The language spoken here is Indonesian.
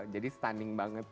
jadi stunning banget